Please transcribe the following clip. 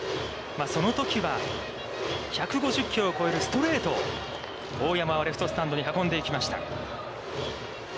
そのときは、１５０キロを超えるストレートを大山はレフトスタンドに運んでいきました。